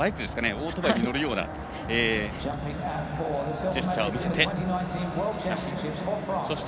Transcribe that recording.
オートバイに乗るようなジェスチャーを見せました。